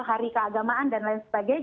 hari keagamaan dan lain sebagainya